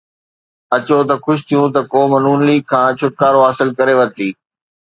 اچو ته خوش ٿيون ته قوم نون ليگ کان ڇوٽڪارو حاصل ڪري ورتي.